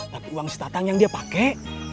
tapi uang setatang yang dia pakai